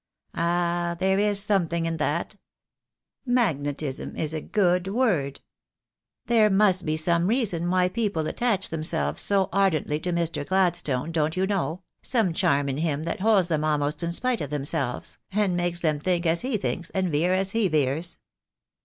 "Ah, there is something in that. Magnetism is a good word. There must be some reason why people 27O THE DAY WILL COME. attach themselves so ardently to Mr. Gladstone, don't you know, some charm in him that holds them almost in spite of themselves, and makes them think as he thinks, and veer as he veers.